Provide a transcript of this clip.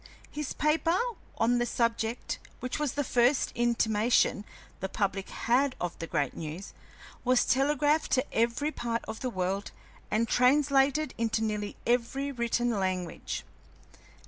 His paper on the subject, which was the first intimation the public had of the great news, was telegraphed to every part of the world and translated into nearly every written language.